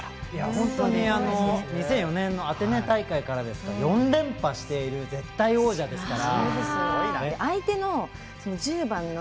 本当に、２００４年のアテネ大会からですから４連覇している絶対王者ですから。